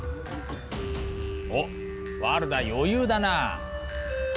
おっワルダ余裕だな。